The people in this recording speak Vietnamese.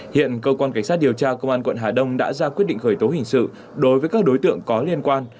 hiện cơ quan cảnh sát điều tra công an quận hà đông đã ra quyết định khởi tố hình sự đối với các đối tượng có liên quan